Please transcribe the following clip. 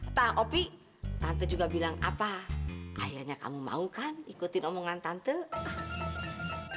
nah opi tante juga bilang apa akhirnya kamu mau ikutin omongan tante kan